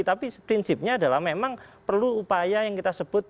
tapi prinsipnya adalah memang perlu upaya yang kita sebut